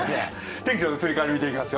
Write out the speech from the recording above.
天気の移り変わりを見てみますよ。